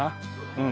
うん。